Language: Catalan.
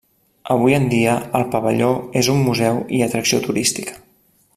Avui en dia, el pavelló és un museu i atracció turística.